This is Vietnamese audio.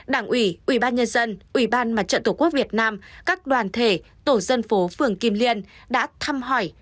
đảng ủy ubnd ubnd mặt trận tổ quốc việt nam các đoàn thể tổ dân phố phường kim liên đã thăm hỏi